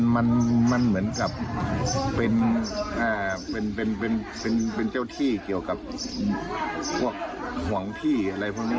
มันเหมือนกับเป็นเจ้าที่เกี่ยวกับพวกห่วงที่อะไรพวกนี้